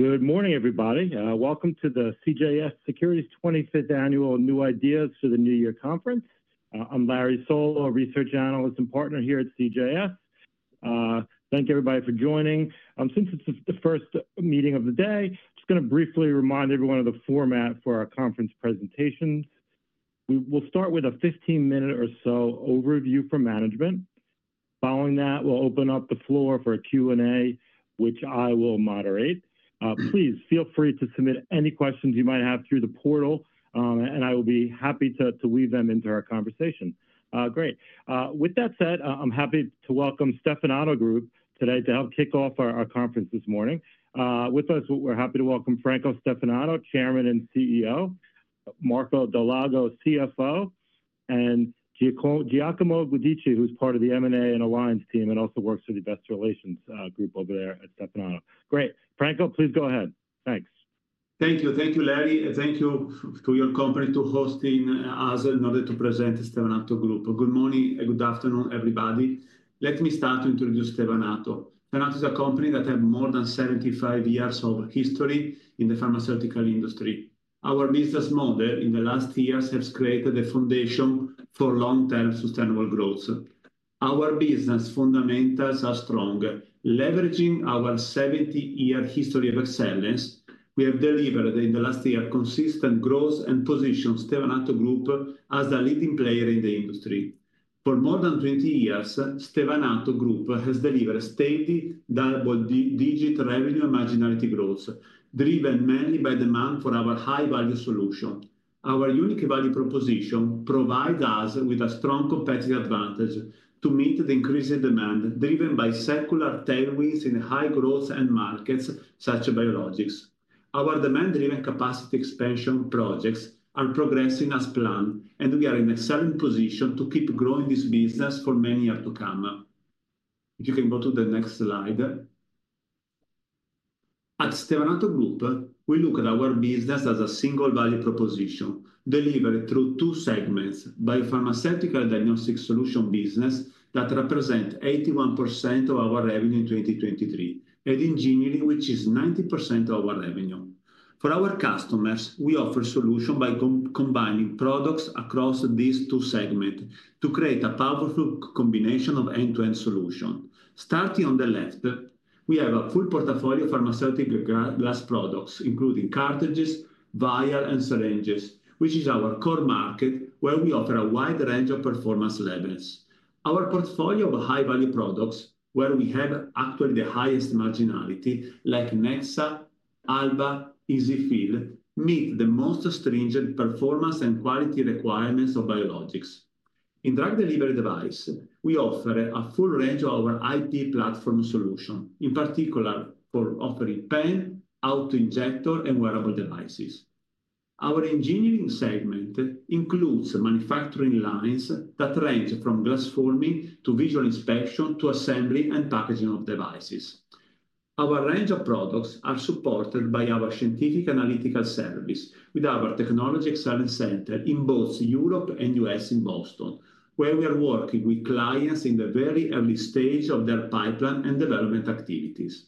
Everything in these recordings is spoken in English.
Good morning, everybody. Welcome to the CJS Securities 25th Annual New Ideas for the New Year Conference. I'm Larry Solow, a research analyst and partner here at CJS. Thank you, everybody, for joining. Since it's the first meeting of the day, I'm just going to briefly remind everyone of the format for our conference presentations. We'll start with a 15-minute or so overview for management. Following that, we'll open up the floor for a Q&A, which I will moderate. Please feel free to submit any questions you might have through the portal, and I will be happy to weave them into our conversation. Great. With that said, I'm happy to welcome Stevanato Group today to help kick off our conference this morning. With us, we're happy to welcome Franco Stevanato, Chairman and CEO, Marco Dal Lago, CFO, and Giacomo Guiducci, who's part of the M&A and Alliance team and also works for the Investor Relations Group over there at Stevanato. Great. Franco, please go ahead. Thanks. Thank you. Thank you, Larry. Thank you to your company for hosting us in order to present Stevanato Group. Good morning and good afternoon, everybody. Let me start to introduce Stevanato. Stevanato is a company that has more than 75 years of history in the pharmaceutical industry. Our business model in the last years has created a foundation for long-term sustainable growth. Our business fundamentals are strong. Leveraging our 70-year history of excellence, we have delivered in the last year consistent growth and position Stevanato Group as the leading player in the industry. For more than 20 years, Stevanato Group has delivered steady double-digit revenue and marginality growth, driven mainly by demand for our high-value solution. Our unique value proposition provides us with a strong competitive advantage to meet the increasing demand driven by secular tailwinds in high growth end markets such as biologics. Our demand-driven capacity expansion projects are progressing as planned, and we are in an excellent position to keep growing this business for many years to come. If you can go to the next slide. At Stevanato Group, we look at our business as a single value proposition delivered through two segments: Biopharmaceutical and Diagnostic Solutions business that represents 81% of our revenue in 2023, and Engineering, which is 90% of our revenue. For our customers, we offer solutions by combining products across these two segments to create a powerful combination of end-to-end solutions. Starting on the left, we have a full portfolio of pharmaceutical glass products, including cartridges, vials, and syringes, which is our core market where we offer a wide range of performance levels. Our portfolio of high-value products, where we have actually the highest marginality, like Nexa, Alba, EZ-fill, meet the most stringent performance and quality requirements of biologics. In drug delivery devices, we offer a full range of our IP platform solution, in particular for offering pen, auto-injector, and wearable devices. Our engineering segment includes manufacturing lines that range from glass forming to visual inspection to assembly and packaging of devices. Our range of products is supported by our scientific analytical service with our Technology Excellence Center in both Europe and the U.S. in Boston, where we are working with clients in the very early stage of their pipeline and development activities.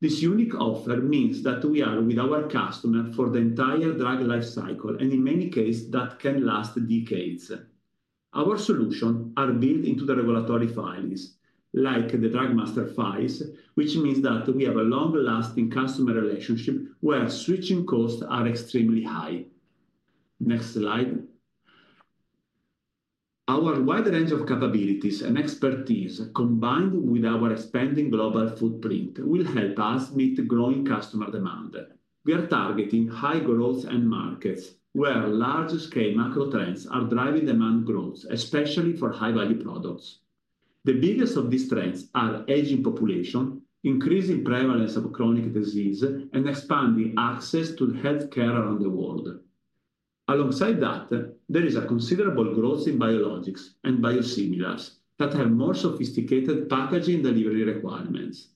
This unique offer means that we are with our customers for the entire drug life cycle, and in many cases, that can last decades. Our solutions are built into the regulatory filings, like the Drug Master Files, which means that we have a long-lasting customer relationship where switching costs are extremely high. Next slide. Our wide range of capabilities and expertise, combined with our expanding global footprint, will help us meet growing customer demand. We are targeting high growth end markets where large-scale macro trends are driving demand growth, especially for high-value products. The biggest of these trends are aging population, increasing prevalence of chronic disease, and expanding access to healthcare around the world. Alongside that, there is considerable growth in biologics and biosimilars that have more sophisticated packaging delivery requirements.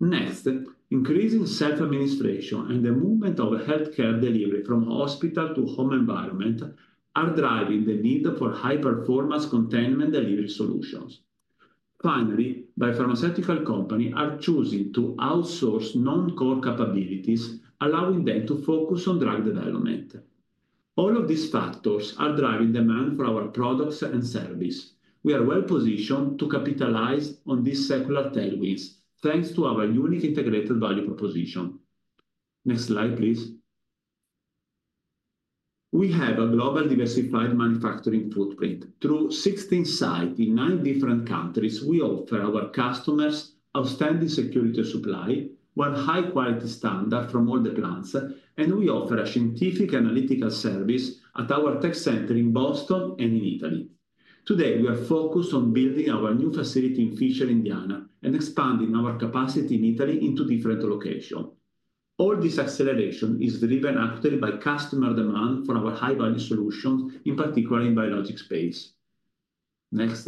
Next, increasing self-administration and the movement of healthcare delivery from hospital to home environment are driving the need for high-performance containment delivery solutions. Finally, biopharmaceutical companies are choosing to outsource non-core capabilities, allowing them to focus on drug development. All of these factors are driving demand for our products and services. We are well-positioned to capitalize on these secular tailwinds thanks to our unique integrated value proposition. Next slide, please. We have a global diversified manufacturing footprint. Through 16 sites in nine different countries, we offer our customers outstanding security supply while high-quality standards from all the plants, and we offer a scientific analytical service at our tech center in Boston and in Italy. Today, we are focused on building our new facility in Fishers, Indiana, and expanding our capacity in Italy into different locations. All this acceleration is driven actually by customer demand for our high-value solutions, in particular in biologics space. Next.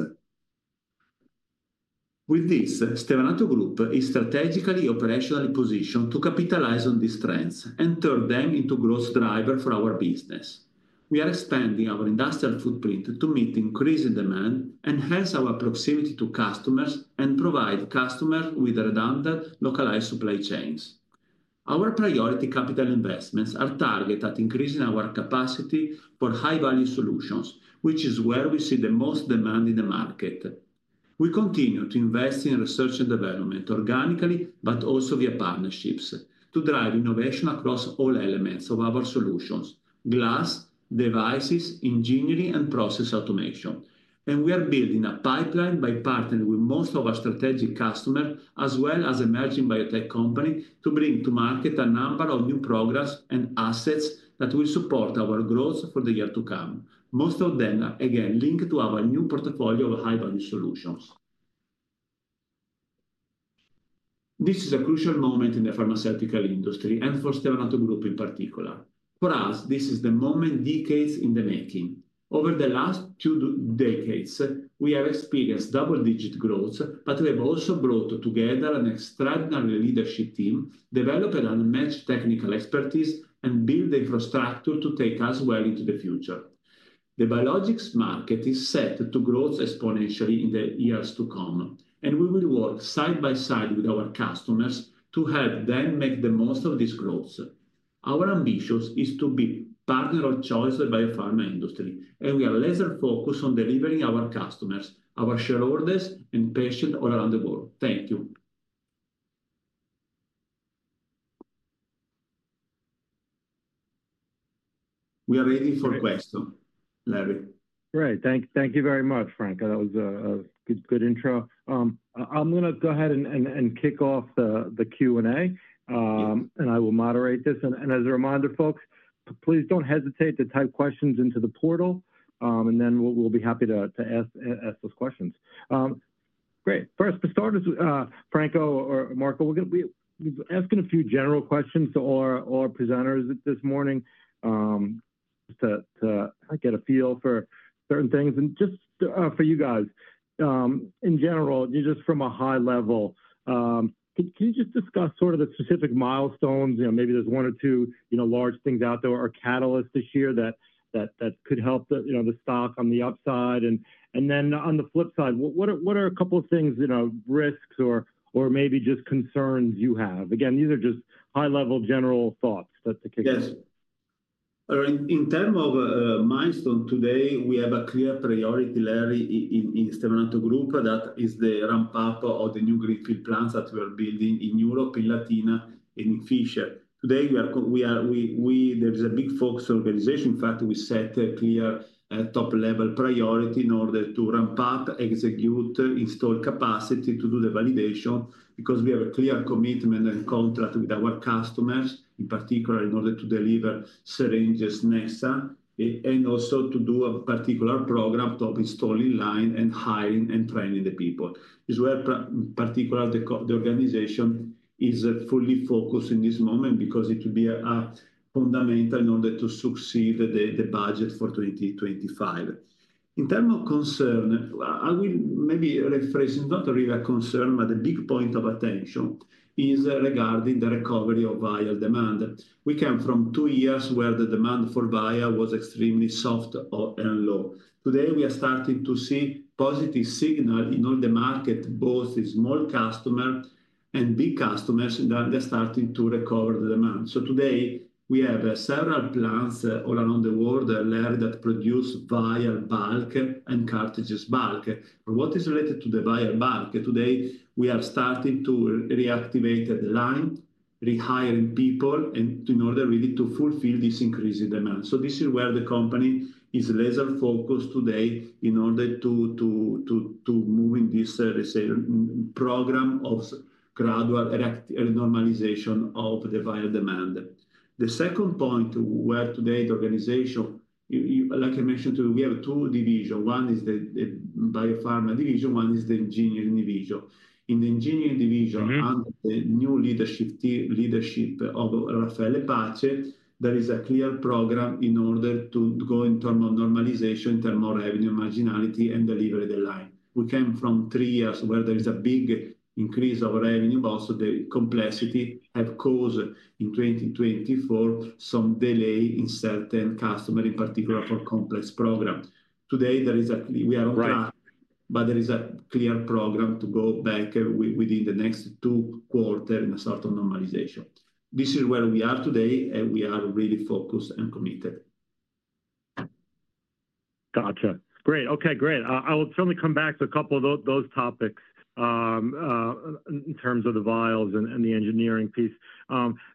With this, Stevanato Group is strategically operationally positioned to capitalize on these trends and turn them into growth drivers for our business. We are expanding our industrial footprint to meet increasing demand, enhance our proximity to customers, and provide customers with redundant localized supply chains. Our priority capital investments are targeted at increasing our capacity for high-value solutions, which is where we see the most demand in the market. We continue to invest in research and development organically, but also via partnerships to drive innovation across all elements of our solutions: glass, devices, engineering, and process automation, and we are building a pipeline by partnering with most of our strategic customers, as well as emerging biotech companies, to bring to market a number of new programs and assets that will support our growth for the year to come. Most of them are again linked to our new portfolio of high-value solutions. This is a crucial moment in the pharmaceutical industry and for Stevanato Group in particular. For us, this is the moment decades in the making. Over the last two decades, we have experienced double-digit growth, but we have also brought together an extraordinary leadership team, developed an unmatched technical expertise, and built the infrastructure to take us well into the future. The biologics market is set to grow exponentially in the years to come, and we will work side by side with our customers to help them make the most of this growth. Our ambition is to be a partner of choice for the biopharma industry, and we are laser-focused on delivering to our customers, our shareholders, and patients all around the world. Thank you. We are waiting for questions, Larry. Great. Thank you very much, Franco. That was a good intro. I'm going to go ahead and kick off the Q&A, and I will moderate this. And as a reminder, folks, please don't hesitate to type questions into the portal, and then we'll be happy to ask those questions. Great. First, to start, Franco, Marco, we're asking a few general questions to all our presenters this morning just to get a feel for certain things. And just for you guys, in general, just from a high level, can you just discuss sort of the specific milestones? Maybe there's one or two large things out there or catalysts this year that could help the stock on the upside. And then on the flip side, what are a couple of things, risks, or maybe just concerns you have? Again, these are just high-level general thoughts to kick off. Yes. In terms of milestones today, we have a clear priority, Larry, in Stevanato Group, that is the ramp-up of the new greenfield plants that we are building in Europe, in Latina, and in Fishers. Today, there is a big focus organization. In fact, we set a clear top-level priority in order to ramp up, execute, install capacity to do the validation because we have a clear commitment and contract with our customers, in particular in order to deliver syringes, Nexa, and also to do a particular program of installing line and hiring and training the people. This is where particularly the organization is fully focused in this moment because it will be fundamental in order to succeed the budget for 2025. In terms of concern, I will maybe rephrase. It's not really a concern, but the big point of attention is regarding the recovery of vial demand. We came from two years where the demand for vial was extremely soft and low. Today, we are starting to see positive signals in all the market, both small customers and big customers that are starting to recover the demand so today, we have several plants all around the world, Larry, that produce vial bulk and cartridges bulk. What is related to the vial bulk? Today, we are starting to reactivate the line, rehiring people in order really to fulfill this increase in demand so this is where the company is laser-focused today in order to move in this program of gradual normalization of the vial demand. The second point where today the organization, like I mentioned to you, we have two divisions. One is the biopharma division, one is the engineering division. In the engineering division, under the new leadership of Raffaele Pace, there is a clear program in order to go in terms of normalization, in terms of revenue marginality, and delivery of the line. We came from three years where there is a big increase of revenue, but also the complexity has caused in 2024 some delay in certain customers, in particular for complex programs. Today, we are on track, but there is a clear program to go back within the next two quarters in a sort of normalization. This is where we are today, and we are really focused and committed. Gotcha. Great. Okay, great. I will certainly come back to a couple of those topics in terms of the vials and the engineering piece.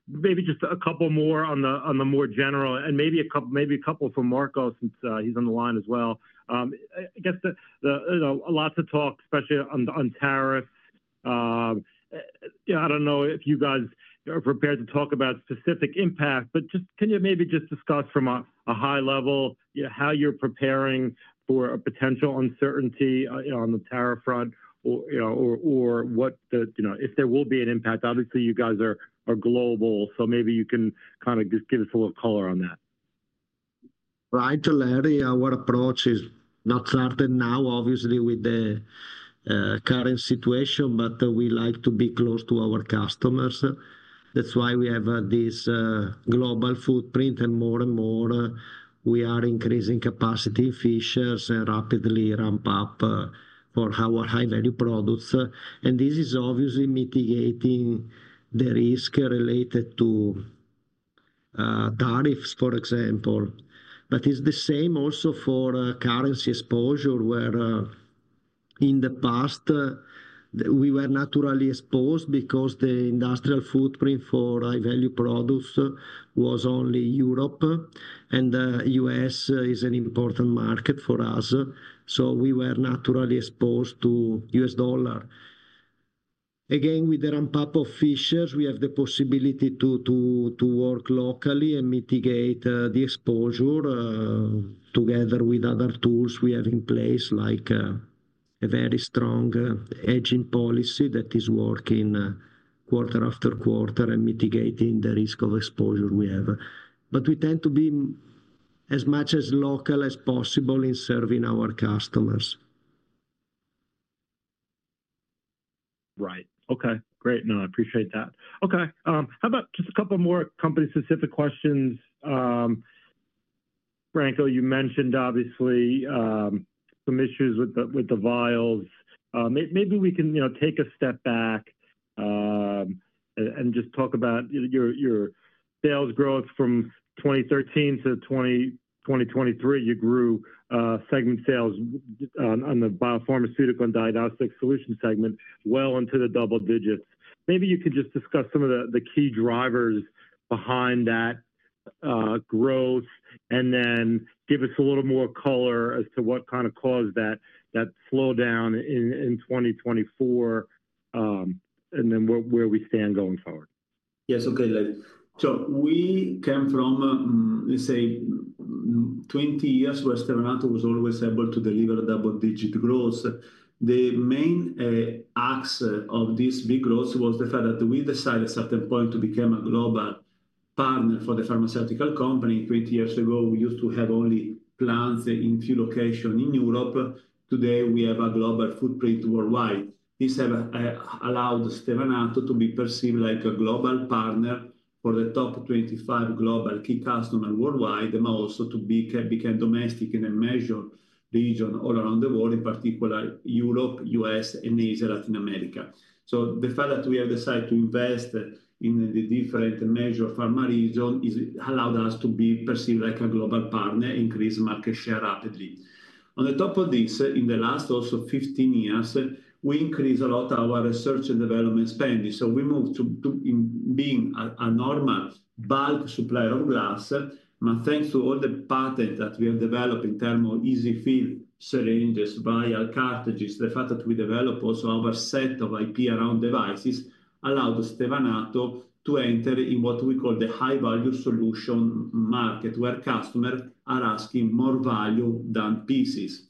Maybe just a couple more on the more general and maybe a couple for Marco since he's on the line as well. I guess lots of talk, especially on tariffs. I don't know if you guys are prepared to talk about specific impact, but just can you maybe just discuss from a high level how you're preparing for a potential uncertainty on the tariff front or if there will be an impact? Obviously, you guys are global, so maybe you can kind of just give us a little color on that. Right, Larry, our approach is not certain now, obviously, with the current situation, but we like to be close to our customers. That's why we have this global footprint, and more and more we are increasing capacity in Fishers and rapidly ramp up for our high-value products, and this is obviously mitigating the risk related to tariffs, for example, but it's the same also for currency exposure, where in the past, we were naturally exposed because the industrial footprint for high-value products was only Europe, and the U.S. is an important market for us, so we were naturally exposed to U.S. dollar. Again, with the ramp-up of Fishers, we have the possibility to work locally and mitigate the exposure together with other tools we have in place, like a very strong hedging policy that is working quarter after quarter and mitigating the risk of exposure we have. But we tend to be as much as local as possible in serving our customers. Right. Okay. Great. No, I appreciate that. Okay. How about just a couple more company-specific questions? Franco, you mentioned obviously some issues with the vials. Maybe we can take a step back and just talk about your sales growth from 2013 to 2023. You grew segment sales on the biopharmaceutical and diagnostic solution segment well into the double digits. Maybe you could just discuss some of the key drivers behind that growth and then give us a little more color as to what kind of caused that slowdown in 2024 and then where we stand going forward? Yes. Okay, Larry. So we came from, let's say, 20 years where Stevanato was always able to deliver double-digit growth. The main axis of this big growth was the fact that we decided at a certain point to become a global partner for the pharmaceutical company. 20 years ago, we used to have only plants in a few locations in Europe. Today, we have a global footprint worldwide. This has allowed Stevanato to be perceived like a global partner for the top 25 global key customers worldwide and also to become domestic in a major region all around the world, in particular Europe, U.S., and Asia, Latin America. So the fact that we have decided to invest in the different major pharma regions has allowed us to be perceived like a global partner, increase market share rapidly. On top of this, in the last also 15 years, we increased a lot of our research and development spending. So we moved to being a normal bulk supplier of glass. But thanks to all the patents that we have developed in terms of EZ-fill syringes, vials, cartridges, the fact that we developed also our set of IP around devices allowed Stevanato to enter in what we call the high-value solution market, where customers are asking more value than pieces.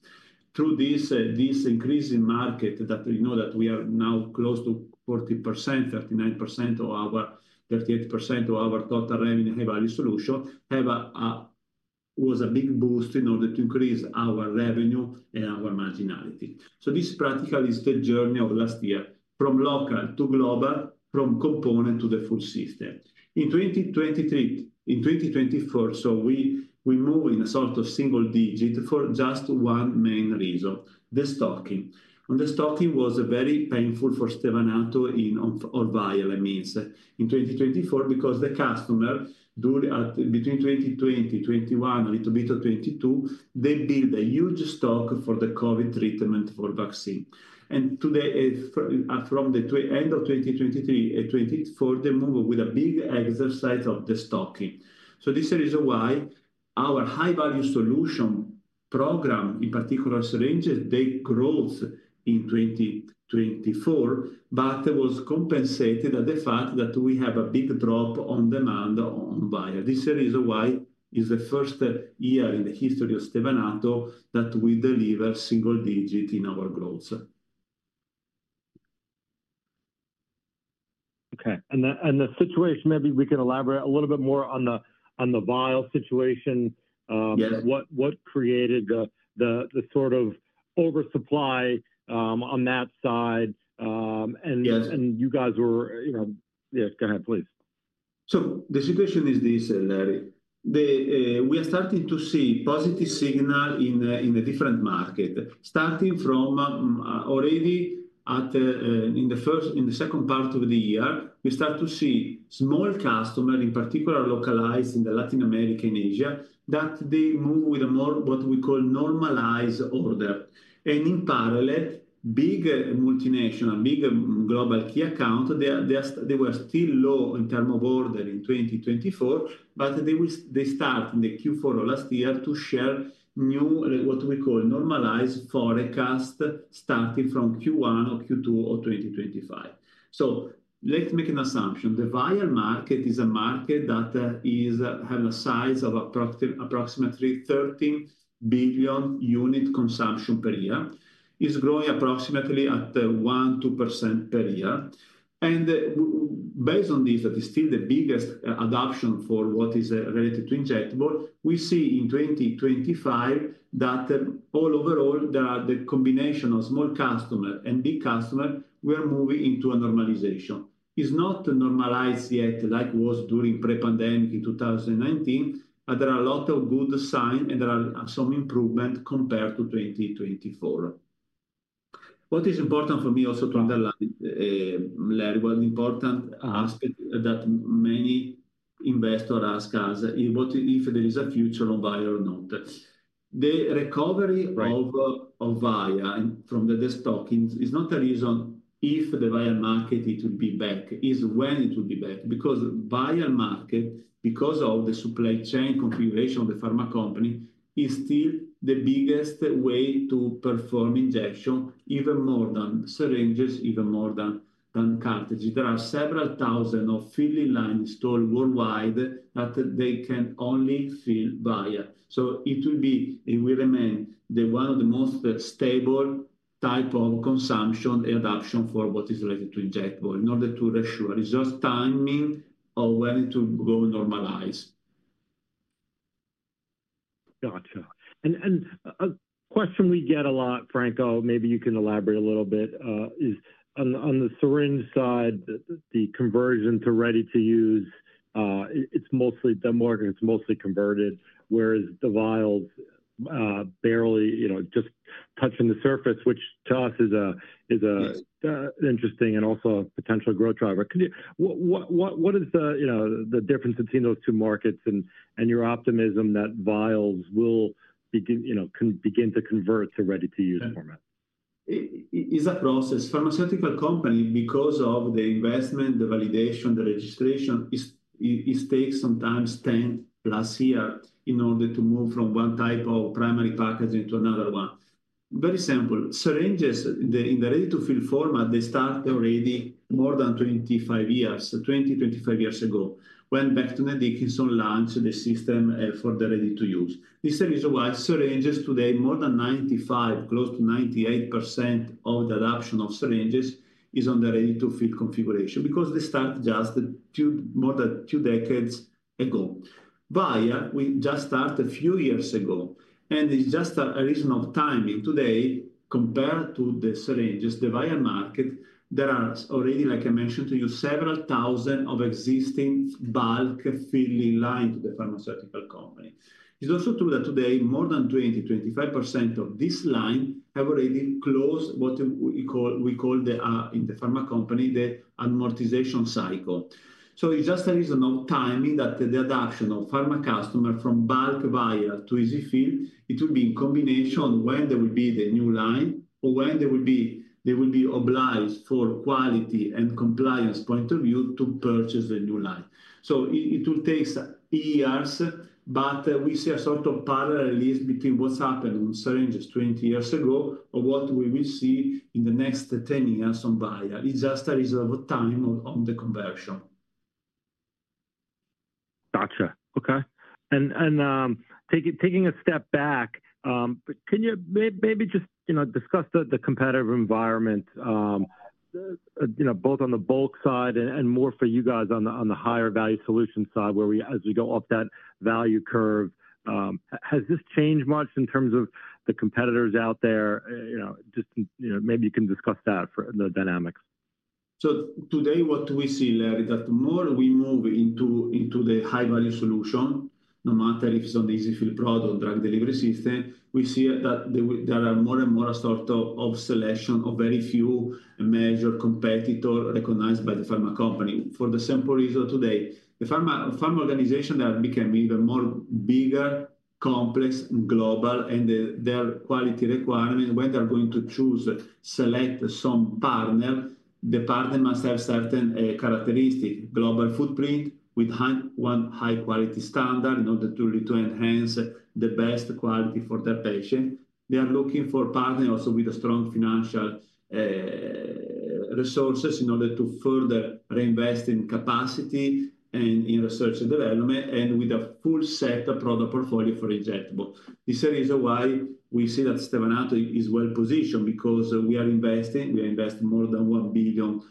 Through this increase in market, that we know that we are now close to 40%, 39%, or 38% of our total revenue, high-value solution was a big boost in order to increase our revenue and our marginality. So this practically is the journey of last year from local to global, from component to the full system. In 2023, in 2024, so we moved in a sort of single digit for just one main reason: the stocking. And the stocking was very painful for Stevanato or vial, I mean, in 2024 because the customer between 2020, 2021, a little bit of 2022, they built a huge stock for the COVID treatment for vaccine. And today, from the end of 2023, 2024, they moved with a big exercise of destocking. So this is the reason why our high-value solution program, in particular syringes, they growth in 2024, but it was compensated at the fact that we have a big drop on demand on vial. This is the reason why it's the first year in the history of Stevanato that we deliver single digit in our growth. Okay. And the situation, maybe we can elaborate a little bit more on the vial situation. What created the sort of oversupply on that side? And you guys were, yeah, go ahead, please. So the situation is this, Larry. We are starting to see positive signals in a different market, starting from already in the second part of the year. We start to see small customers, in particular localized in Latin America and Asia, that they move with a more what we call normalized order. And in parallel, big multinational, big global key accounts, they were still low in terms of order in 2024, but they start in the Q4 or last year to share new, what we call normalized forecasts starting from Q1 or Q2 or 2025. So let's make an assumption. The vial market is a market that has a size of approximately 13 billion unit consumption per year. It's growing approximately at 1%, 2% per year. Based on this, that is still the biggest adoption for what is related to injectable. We see in 2025 that overall, the combination of small customers and big customers, we are moving into a normalization. It's not normalized yet like it was during pre-pandemic in 2019, but there are a lot of good signs and there are some improvements compared to 2024. What is important for me also to underline, Larry, one important aspect that many investors ask us is what if there is a future for vials or not. The recovery of vials from the stocking is not a reason if the vial market it will be back. It's when it will be back because the vial market, because of the supply chain configuration of the pharma company, is still the biggest way to perform injection, even more than syringes, even more than cartridges. There are several thousand filling lines installed worldwide that they can only fill via vial, so it will be and will remain one of the most stable types of consumption and adoption for what is related to injectables in order to uncertain or when it will normalize. Gotcha. And a question we get a lot, Franco, maybe you can elaborate a little bit, is on the syringe side, the conversion to ready-to-use, it's mostly the market, it's mostly converted, whereas the vials barely just touching the surface, which to us is an interesting and also a potential growth driver. What is the difference between those two markets and your optimism that vials will begin to convert to ready-to-use format? It's a process. Pharmaceutical companies, because of the investment, the validation, the registration, it takes sometimes 10 plus years in order to move from one type of primary packaging to another one. Very simple. Syringes in the ready-to-fill format, they started already more than 25 years, 20, 25 years ago, when Becton Dickinson launch the system for the ready-to-use. This is why syringes today, more than 95%, close to 98% of the adoption of syringes is on the ready-to-fill configuration because they start just more than two decades ago. Vial, we just started a few years ago, and it's just a reason of timing. Today, compared to the syringes, the vial market, there are already, like I mentioned to you, several thousand of existing bulk filling lines to the pharmaceutical company. It's also true that today, more than 20%-25% of this line have already closed what we call in the pharma company the amortization cycle. So it's just a reason of timing that the adoption of pharma customers from bulk vial to EZ-fill, it will be in combination when there will be the new line or when they will be obliged for quality and compliance point of view to purchase the new line. So it will take years, but we see a sort of parallelism between what's happened on syringes 20 years ago or what we will see in the next 10 years on vial. It's just a reason of time on the conversion. Gotcha. Okay. And taking a step back, can you maybe just discuss the competitive environment, both on the bulk side and more for you guys on the higher value solution side where as we go up that value curve, has this changed much in terms of the competitors out there? Just maybe you can discuss that for the dynamics? So today, what we see, Larry, that the more we move into the high-value solution, no matter if it's on the EZ-fill product or drug delivery system, we see that there are more and more sort of selection of very few measured competitors recognized by the pharma company. For the simple reason today, the pharma organization has become even more bigger, complex, and global, and their quality requirements, when they're going to choose, select some partner, the partner must have certain characteristics, global footprint with one high-quality standard in order to enhance the best quality for their patient. They are looking for partners also with strong financial resources in order to further reinvest in capacity and in research and development and with a full set of product portfolio for injectable. This is the reason why we see that Stevanato is well positioned because we are investing, we invested more than $1 billion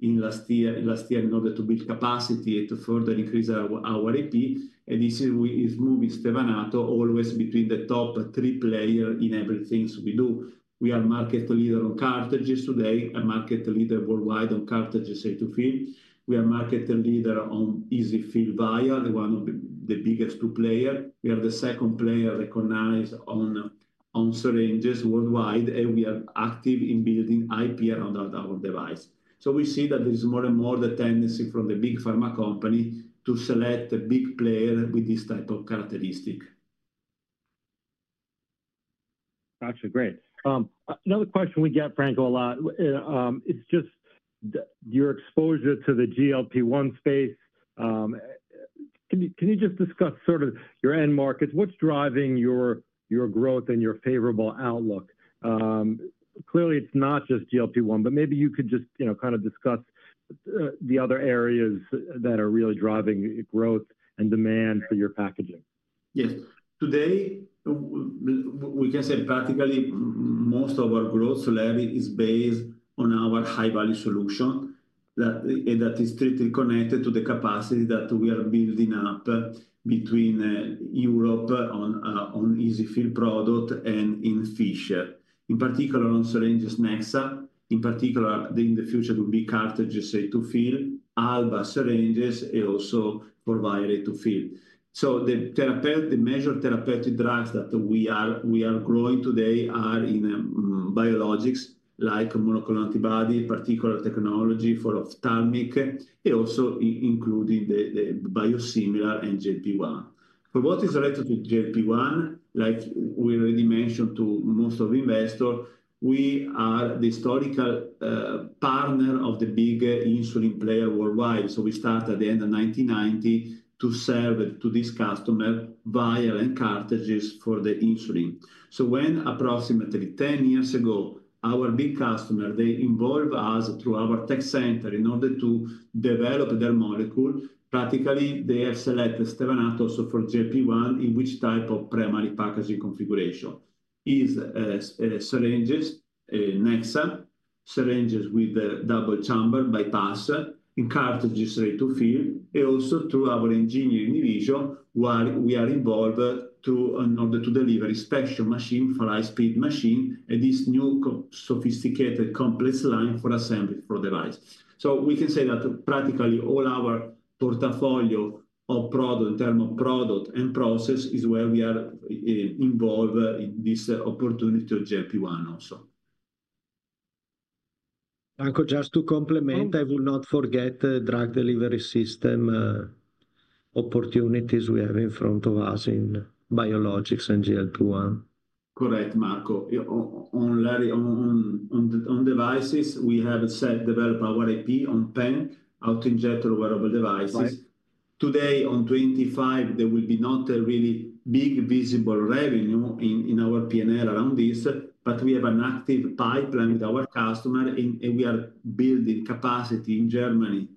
in last year in order to build capacity to further increase our AP. And this is moving Stevanato always between the top three players in everything we do. We are market leader on cartridges today, a market leader worldwide on cartridges ready-to-fill. We are market leader on EZ-fill vial, one of the biggest two players. We are the second player recognized on syringes worldwide, and we are active in building IP around our device. So we see that there is more and more the tendency from the big pharma company to select a big player with this type of characteristic. Gotcha. Great. Another question we get, Franco, a lot. It's just your exposure to the GLP-1 space. Can you just discuss sort of your end markets? What's driving your growth and your favorable outlook? Clearly, it's not just GLP-1, but maybe you could just kind of discuss the other areas that are really driving growth and demand for your packaging. Yes. Today, we can say practically most of our growth, Larry, is based on our high-value solution that is strictly connected to the capacity that we are building up between Europe on EZ-fill product and in Fishers. In particular, on syringes Nexa, in particular, in the future, it will be cartridges ready-to-fill, Alba syringes, and also for vial ready-to-fill. So the measured therapeutic drugs that we are growing today are in biologics like monoclonal antibody, particular technology for ophthalmic, and also including the biosimilar and GLP-1. For what is related to GLP-1, like we already mentioned to most of the investors, we are the historical partner of the big insulin player worldwide. So we started at the end of 1990 to serve to this customer vial and cartridges for the insulin. So, when approximately 10 years ago, our big customers, they involved us through our tech center in order to develop their molecule. Practically, they have selected Stevanato also for GLP-1 in which type of primary packaging configuration. It's syringes, Nexa, syringes with double-chamber bypass in ready-to-fill cartridges, and also through our engineering division, where we are involved in order to deliver a special machine, high-speed machine, and this new sophisticated complex line for assembly for device. So we can say that practically all our portfolio of product in terms of product and process is where we are involved in this opportunity of GLP-1 also. Franco, just to complement, I will not forget the drug delivery system opportunities we have in front of us in biologics and GLP-1. Correct, Marco. On devices, we have developed our R&D on pen auto-injectable wearable devices. Today, in 2025, there will be not a really big visible revenue in our P&L around this, but we have an active pipeline with our customer, and we are building capacity in Germany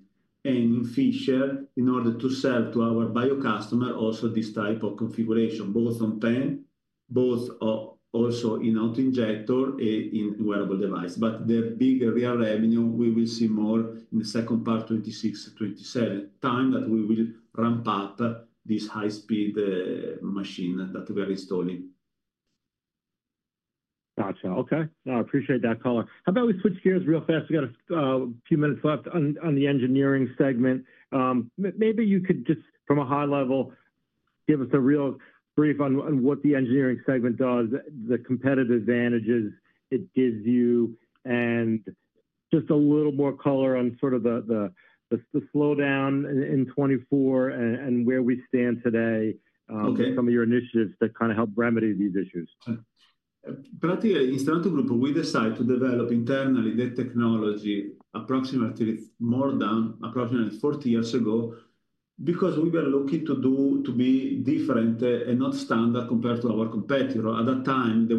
and in Fishers in order to sell to our biopharma customer also this type of configuration, both on pen, both also in auto-injector and in wearable device. But the big real revenue, we will see more in the second part, 2026, 2027 timeframe that we will ramp up this high-speed machine that we are installing. Gotcha. Okay. I appreciate that, Franco. How about we switch gears real fast? We got a few minutes left on the engineering segment. Maybe you could just from a high level, give us a real brief on what the engineering segment does, the competitive advantages it gives you, and just a little more color on sort of the slowdown in 2024 and where we stand today, some of your initiatives that kind of help remedy these issues? Practically, in Stevanato Group, we decided to develop internally the technology more than approximately 40 years ago because we were looking to be different and not standard compared to our competitor. At that time, there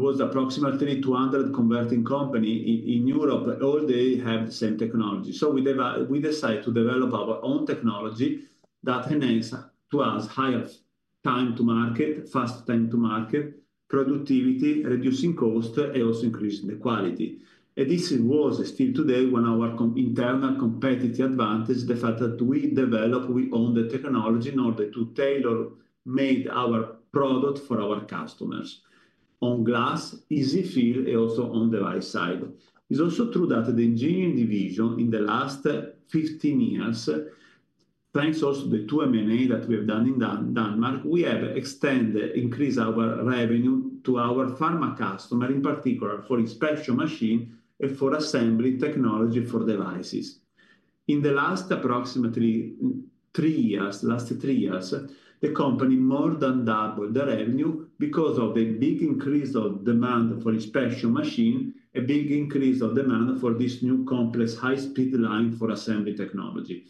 was approximately 200 converting companies in Europe all having the same technology. We decided to develop our own technology that enhances to us higher time to market, fast time to market, productivity, reducing cost, and also increasing the quality. This was still today one of our internal competitive advantages, the fact that we develop, we own the technology in order to tailor-make our product for our customers on glass, EZ-fill, and also on device side. It's also true that the engineering division in the last 15 years, thanks also to the two M&A that we have done in Denmark, we have extended, increased our revenue to our pharma customers, in particular for special machine and for assembly technology for devices. In the last approximately three years, last three years, the company more than doubled the revenue because of the big increase of demand for special machine and big increase of demand for this new complex high-speed line for assembly technology.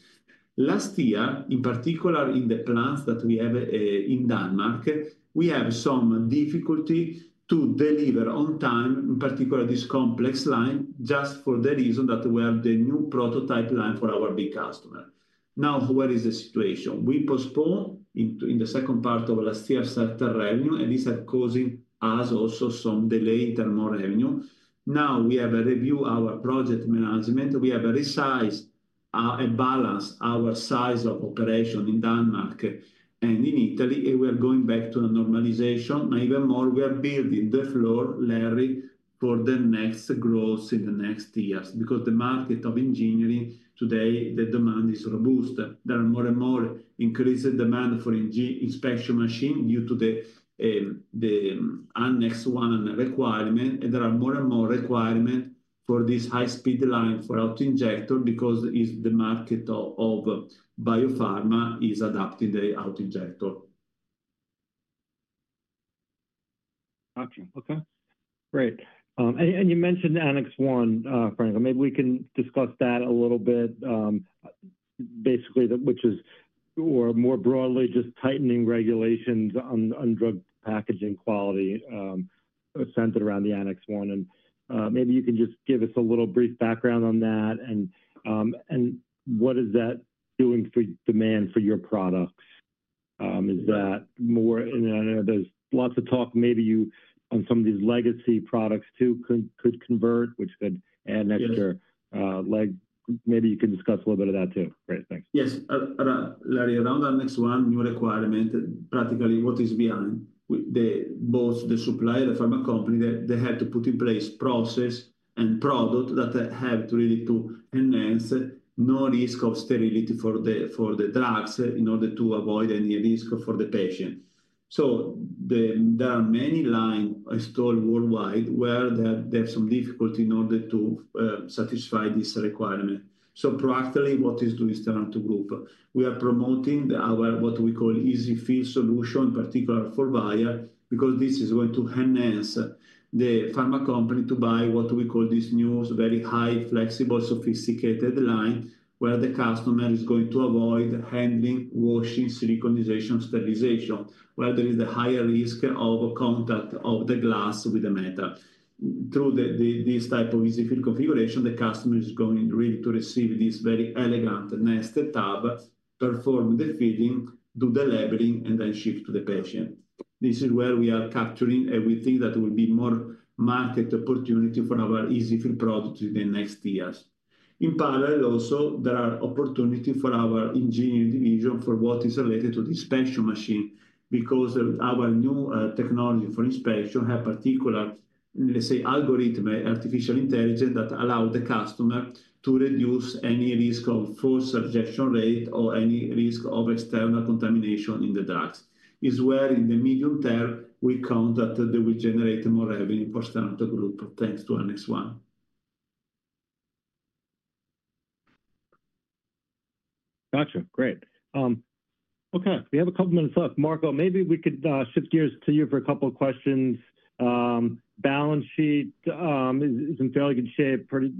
Last year, in particular, in the plants that we have in Denmark, we had some difficulty to deliver on time, in particular this complex line, just for the reason that we have the new prototype line for our big customer. Now, where is the situation? We postponed in the second part of last year certain revenue, and this has caused us also some delay in terms of revenue. Now, we have reviewed our project management. We have resized and balanced our size of operation in Denmark and in Italy, and we are going back to a normalization. Even more, we are building the floor, Larry, for the next growth in the next years because the market of engineering today, the demand is robust. There are more and more increasing demand for special machine due to the Annex 1 requirement, and there are more and more requirements for this high-speed line for auto-injector because the market of biopharma is adopting the auto-injector. Gotcha. Okay. Great. And you mentioned Annex 1, Franco. Maybe we can discuss that a little bit, basically, which is, or more broadly, just tightening regulations on drug packaging quality centered around the Annex 1. And maybe you can just give us a little brief background on that and what is that doing for demand for your products? Is that more? And I know there's lots of talk, maybe you on some of these legacy products too could convert, which could add an extra leg. Maybe you can discuss a little bit of that too. Great. Thanks. Yes. Larry, around Annex 1 new requirement, practically what is behind both the supplier and the pharma company, they have to put in place process and product that have to really enhance no risk of sterility for the drugs in order to avoid any risk for the patient. So there are many lines installed worldwide where there's some difficulty in order to satisfy this requirement. So practically, what is doing Stevanato Group? We are promoting our what we call EZ-fill solution, particularly for vial, because this is going to enhance the pharma company to buy what we call this new very high, flexible, sophisticated line where the customer is going to avoid handling, washing, siliconization, sterilization, where there is the higher risk of contact of the glass with the metal. Through this type of EZ-fill configuration, the customer is going really to receive this very elegant nested tub, perform the filling, do the labeling, and then ship to the patient. This is where we are capturing everything that will be more market opportunity for our EZ-fill product in the next years. In parallel, also, there are opportunities for our engineering division for what is related to the special machine because our new technology for inspection has particular, let's say, algorithms, artificial intelligence that allow the customer to reduce any risk of false rejection rate or any risk of external contamination in the drugs. It's where in the medium term, we count that they will generate more revenue for Stevanato Group thanks to Annex 1. Gotcha. Great. Okay. We have a couple of minutes left. Marco, maybe we could shift gears to you for a couple of questions. Balance sheet is in fairly good shape, pretty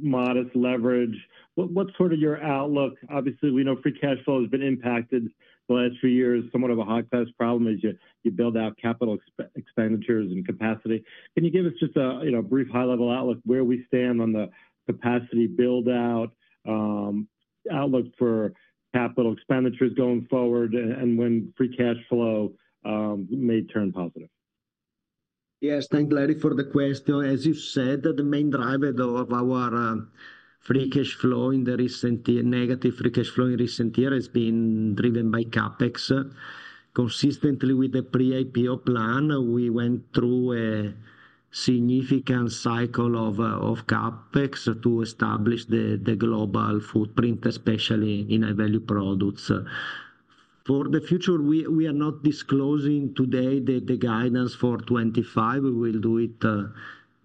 modest leverage. What's sort of your outlook? Obviously, we know free cash flow has been impacted the last few years. Somewhat of a cash flow problem as you build out capital expenditures and capacity. Can you give us just a brief high-level outlook where we stand on the capacity build-out outlook for capital expenditures going forward and when free cash flow may turn positive? Yes. Thank you, Larry, for the question. As you said, the main driver of our negative free cash flow in the recent year has been driven by CapEx. Consistently with the pre-IPO plan, we went through a significant cycle of CapEx to establish the global footprint, especially in value products. For the future, we are not disclosing today the guidance for 2025. We will do it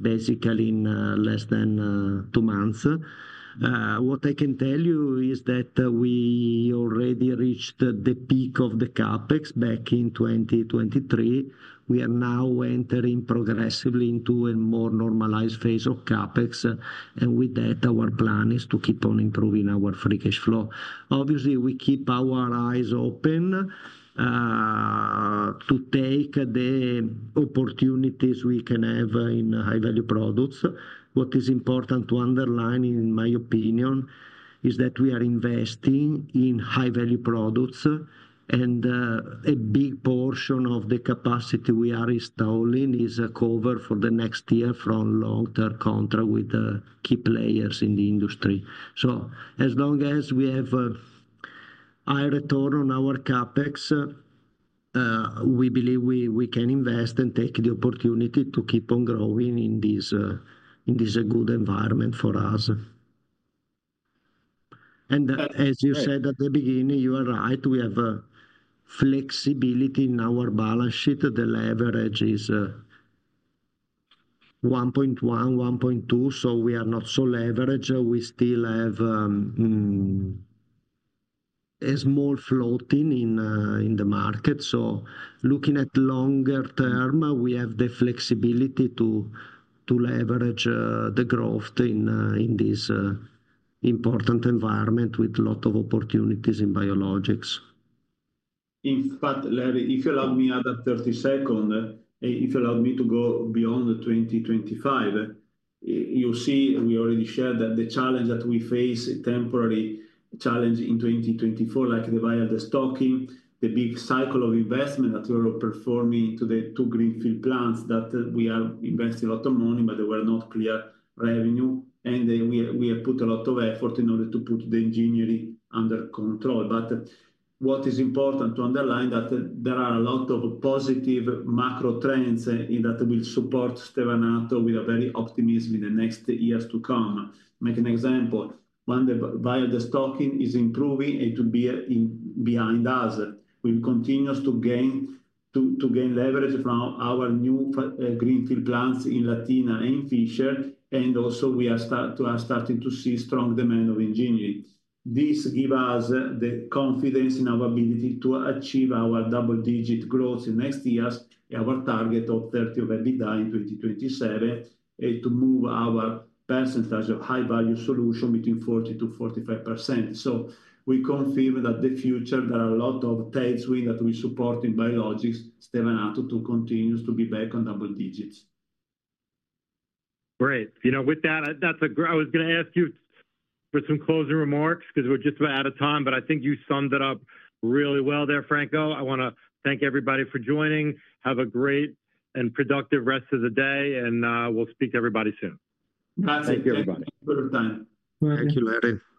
basically in less than two months. What I can tell you is that we already reached the peak of the CapEx back in 2023. We are now entering progressively into a more normalized phase of CapEx, and with that, our plan is to keep on improving our free cash flow. Obviously, we keep our eyes open to take the opportunities we can have in high-value products. What is important to underline, in my opinion, is that we are investing in high-value products, and a big portion of the capacity we are installing is covered for the next year from long-term contract with key players in the industry. So as long as we have a high return on our CapEx, we believe we can invest and take the opportunity to keep on growing in this good environment for us. And as you said at the beginning, you are right. We have flexibility in our balance sheet. The leverage is 1.1, 1.2, so we are not so leveraged. We still have a small floating in the market. So looking at longer term, we have the flexibility to leverage the growth in this important environment with lots of opportunities in biologics. But, Larry, if you allow me another 30 seconds, if you allow me to go beyond 2025, you see we already shared that the challenge that we face, temporary challenge in 2024, like the vial stocking, the big cycle of investment that we are performing today to greenfield plants that we are investing a lot of money, but there were not clear revenue, and we have put a lot of effort in order to put the engineering under control. But what is important to underline is that there are a lot of positive macro trends that will support Stevanato with a very optimistic view in the next years to come. Make an example. When the vial stocking is improving, it will be behind us. We will continue to gain leverage from our new greenfield plants in Latina and in Fishers, and also we are starting to see strong demand for engineering. This gives us the confidence in our ability to achieve our double-digit growth in next years, our target of 30% EBITDA in 2027, and to move our percentage of high-value solution between 40%-45%. So we confirm that in the future, there are a lot of tailwinds that we support in biologics, Stevanato to continue to be back on double digits. Great. You know, with that, that's great. I was going to ask you for some closing remarks because we're just about out of time, but I think you summed it up really well there, Franco. I want to thank everybody for joining. Have a great and productive rest of the day, and we'll speak to everybody soon. Thank you, everybody. Thank you, Larry.